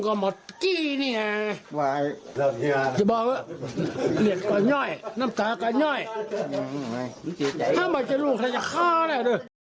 ถ้าไม่จะรู้ใครจะฆ่านะ